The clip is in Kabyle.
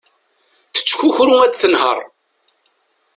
Tettkukru ad tenher.